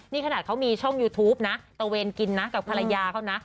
นี่ขนาดเขามีช่องยูทูปนะตะเวนกินนะกับภรรยาเขานะ